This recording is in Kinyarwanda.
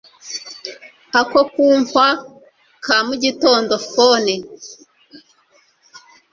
ako kunkwa ka mugitondo phone